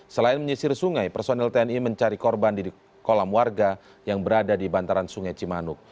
selain menyisir sungai personil tni mencari korban di kolam warga yang berada di bantaran sungai cimanuk